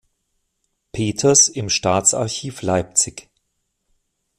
Peters im Staatsarchiv Leipzig.